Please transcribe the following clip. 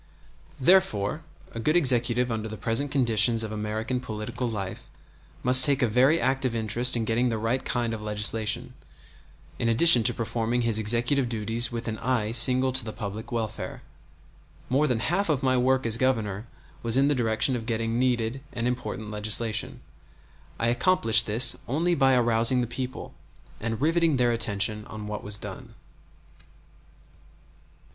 Therefore a good executive under the present conditions of American political life must take a very active interest in getting the right kind of legislation, in addition to performing his executive duties with an eye single to the public welfare. More than half of my work as Governor was in the direction of getting needed and important legislation. I accomplished this only by arousing the people, and riveting their attention on what was done.